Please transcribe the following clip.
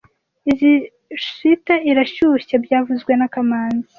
Izoi swater irashyushye byavuzwe na kamanzi